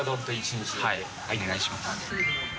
はいお願いします。